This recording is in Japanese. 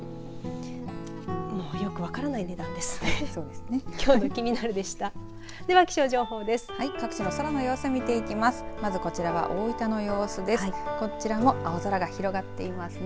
もうよく分からない値段ですね。